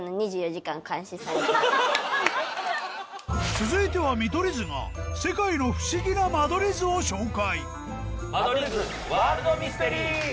続いては見取り図が世界の不思議な間取り図を紹介